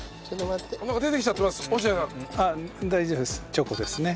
チョコですね。